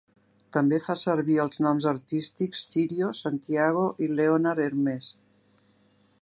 També fa servir els noms artístics: Cirio Santiago i Leonard Hermes.